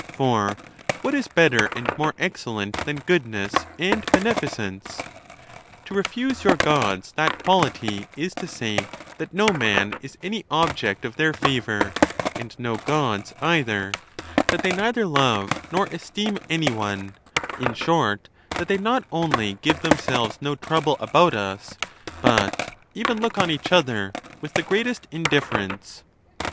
For what is better and more excellent than goodness and beneficence? To refuse your Gods that quality is to say that no man is any object of their favor, and no Gods either; that they neither love nor esteem any one; in short, that they not only give themselves no trouble about us, but even look on each other with the greatest indif ference.